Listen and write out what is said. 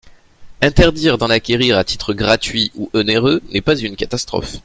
Interdire d’en acquérir à titre gratuit ou onéreux n’est pas une catastrophe.